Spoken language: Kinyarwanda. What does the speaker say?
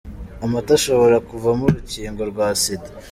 Amata ashobora kuvamo urukingo rwa sida